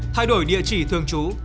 thay đổi địa chỉ thương chú